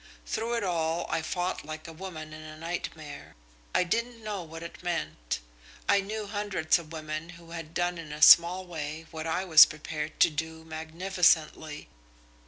Through it all I fought like a woman in a nightmare. I didn't know what it meant. I knew hundreds of women who had done in a small way what I was prepared to do magnificently.